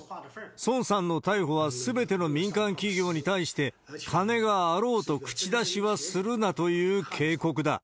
孫さんの逮捕はすべての民間企業に対して、金があろうと口出しはするなという警告だ。